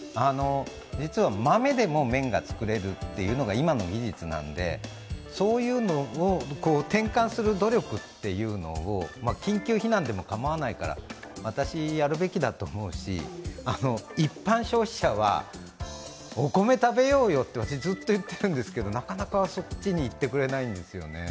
実は豆でも麺が作れるっていうのが今の技術なのでそういうのを転換する努力を緊急避難でも構わないから私はやるべきだと思うし一般消費者はお米たべようよって私、ずっと言ってるんですけどなかなかそっちに行ってくれないんですよね。